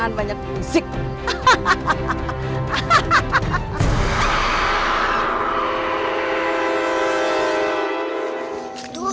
hai tuh nyamperin tuh loh